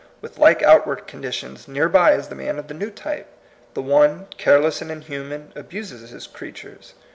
With like outward condi tions near by is the man of the new type. The one, careless and inhuman, abuses his creatures.